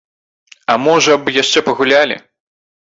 А можа б, яшчэ пагулялі?